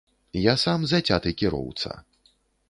Я сам зацяты кіроўца.